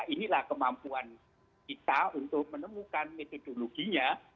inilah kemampuan kita untuk menemukan metodologinya